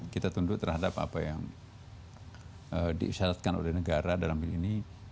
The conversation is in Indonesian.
kita tunduk terhadap apa yang diisyaratkan oleh negara dalam hal ini